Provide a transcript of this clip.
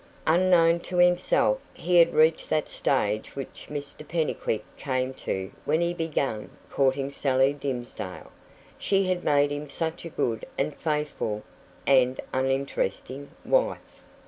Unknown to himself, he had reached that stage which Mr Pennycuick came to when he began courting Sally Dimsdale, who had made him such a good and faithful (and uninteresting) wife.